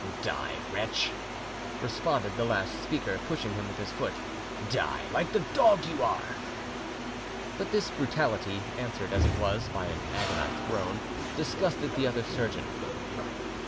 "Die, wretch!" responded the last speaker, pushing him with his foot. "Die, like the dog you are!" But this brutality, answered as it was by an agonised groan, disgusted the other surgeon.